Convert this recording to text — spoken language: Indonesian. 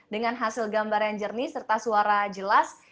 dengan hasil gambar yang jernih serta suara jelas